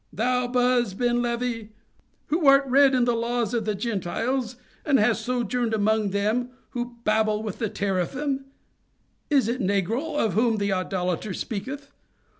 Thou, Buzi Ben Levi! who art read in the laws of the Gentiles, and hast sojourned among them who dabble with the Teraphim!—is it Nergal of whom the idolater speaketh?